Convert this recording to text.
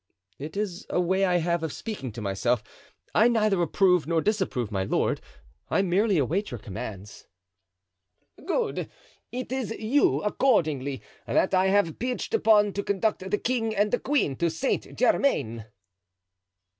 "It is a way I have of speaking to myself. I neither approve nor disapprove, my lord; I merely await your commands." "Good; it is you, accordingly, that I have pitched upon to conduct the king and the queen to Saint Germain."